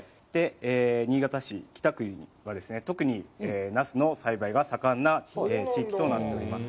新潟市北区は、特にナスの栽培が盛んな地域となっております。